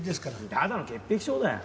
ただの潔癖症だよ。